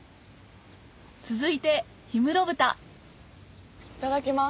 続いて氷室豚いただきます。